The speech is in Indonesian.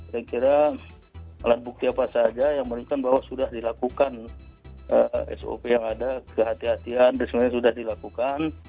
saya kira alat bukti apa saja yang menunjukkan bahwa sudah dilakukan sop yang ada kehatian kehatian resmi sudah dilakukan